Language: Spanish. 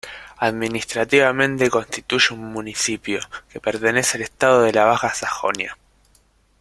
Administrativamente constituye un municipio, que pertenece al estado de la Baja Sajonia.